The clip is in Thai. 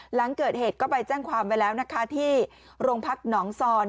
หลังเกิดเหตุก็ไปแจ้งความไว้แล้วนะคะที่โรงพักหนองซอน